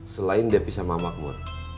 selain depi sama makmur